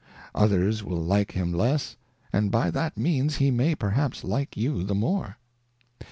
Others will like him less, and by that means he may perhaps like you the more.